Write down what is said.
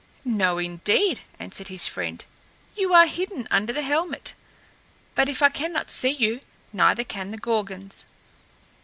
"No, indeed!" answered his friend. "You are hidden under the helmet. But if I cannot see you, neither can the Gorgons.